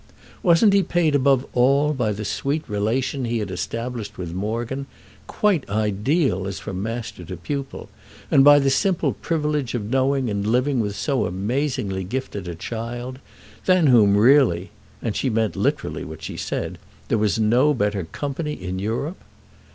Wasn't he paid above all by the sweet relation he had established with Morgan—quite ideal as from master to pupil—and by the simple privilege of knowing and living with so amazingly gifted a child; than whom really (and she meant literally what she said) there was no better company in Europe?